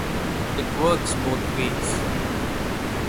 It works both ways.